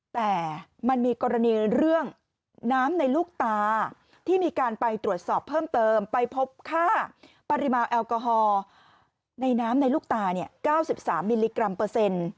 แต่มันมีกรณีเรื่องน้ำในลูกตาที่มีการไปตรวจสอบเพิ่มเติมไปพบค่าปริมาณแอลกอฮอล์ในน้ำในลูกตา๙๓มิลลิกรัมเปอร์เซ็นต์